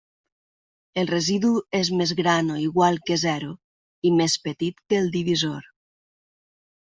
El residu és més gran o igual que zero i més petit que el divisor.